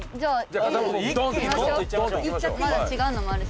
藤田：「まだ違うのもあるし」